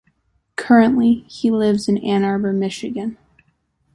Currently, he lives in Ann Arbor, Michigan.